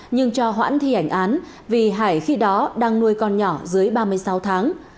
nhưng cho hoãn thi hành án vì hải khi đó đang nuôi con nhỏ dưới ba mươi sáu tháng